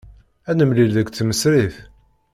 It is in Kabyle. Ad nemlil deg tmesrit.